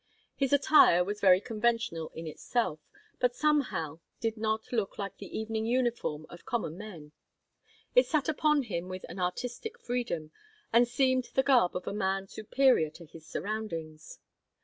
His attire was very conventional in itself, but somehow did not look like the evening uniform of common men: it sat upon him with an artistic freedom, and seemed the garb of a man superior to his surroundings.